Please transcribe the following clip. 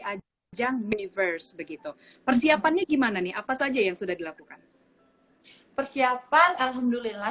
ajang maniverse begitu persiapannya gimana nih apa saja yang sudah dilakukan persiapan alhamdulillah